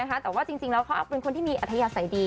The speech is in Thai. แต่ว่าจริงแล้วเขาเป็นคนที่มีอัธยาศัยดี